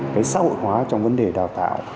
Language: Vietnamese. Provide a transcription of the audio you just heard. cái xã hội hóa trong vấn đề đào tạo